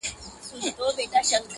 • زما یې د شبقدر په ماښام قلم وهلی ,